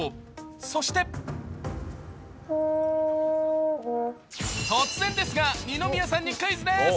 そして突然ですが、二宮さんにクイズです。